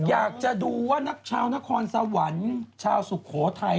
อยากจะดูว่านักชาวนครสวรรค์ชาวสุโขทัย